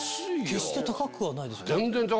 決して高くはないですよね。